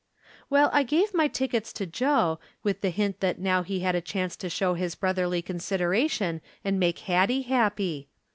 Well, I gave my tickets to Joe, with the hint that now he had a chance to show his brotherly consideration and make Hattie happy.